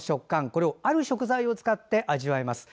これをある食材を使って味わいます。